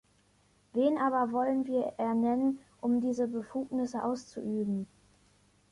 Wen aber wollen wir ernennen, um diese Befugnisse auszuüben?